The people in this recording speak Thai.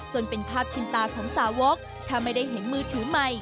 จนเป็นภาพชินตาของสาวกถ้าไม่ได้เห็นมือถือใหม่